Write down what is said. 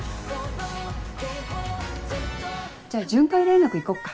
じゃあ巡回連絡行こっか。